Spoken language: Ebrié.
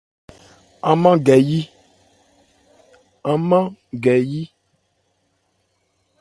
An mân gɛ yí.